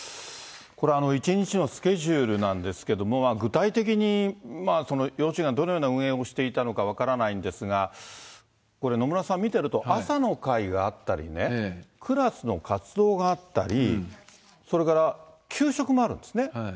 これ、一日のスケジュールなんですけど、具体的に幼稚園がどのような運営をしていたのか分からないんですが、これ、野村さん、見ていると朝の会があったりね、クラスの活動があったり、それから給食もあるんですね。